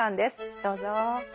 どうぞ。